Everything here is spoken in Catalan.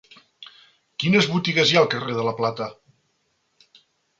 Quines botigues hi ha al carrer de la Plata?